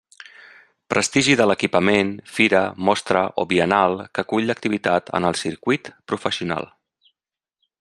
Prestigi de l'equipament, fira, mostra o biennal que acull l'activitat en el circuit professional.